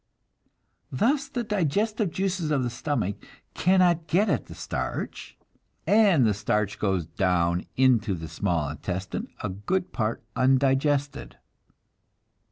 Thus the digestive juices of the stomach cannot get at the starch, and the starch goes down into the small intestine a good part undigested.